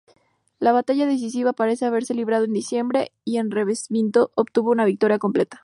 La batalla decisiva parece haberse librado en diciembre, y Recesvinto obtuvo una victoria completa.